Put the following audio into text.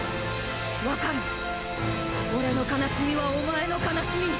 わかる俺の悲しみはお前の悲しみ。